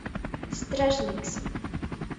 Stražniks.